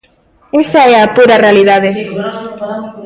Esa é a pura realidade.